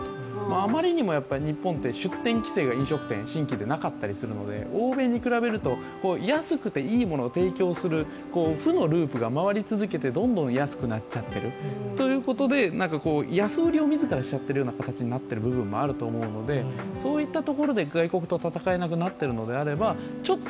あまりにも日本って、出店規制が新規でなかったりするので欧米に比べると安くていいものを提供する負のループが回り続けてどんどん安くなっちゃっているということで安売りを自らしちゃってるようになってる部分もあると思うのでそういったところで外国と戦えなくなっているのであれば、ちょっと